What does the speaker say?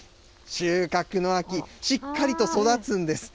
収穫の秋、しっかりと育つんです。